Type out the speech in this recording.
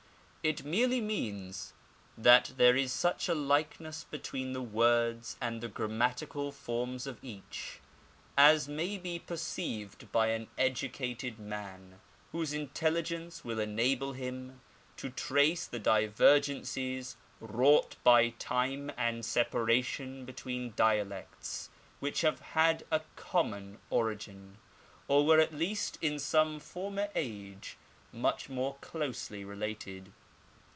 It merely means that there is such a likeness between the words and the grammatical forms of each^ as may be perceived by an educated man^ whose intelligence will enable him to trace the divergencies wrought by time and separation between dialects which have had a common origin, or were at least in some former age much more closely related.